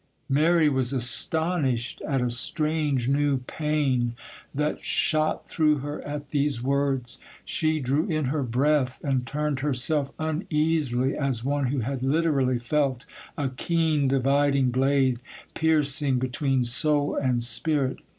Mary was astonished at a strange, new pain that shot through her at these words. She drew in her breath and turned herself uneasily, as one who had literally felt a keen dividing blade piercing between soul and spirit.